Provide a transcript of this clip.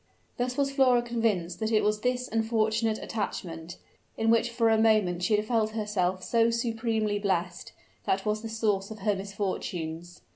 Thus was Flora convinced that it was this unfortunate attachment, in which for a moment she had felt herself so supremely blest, that was the source of her misfortunes.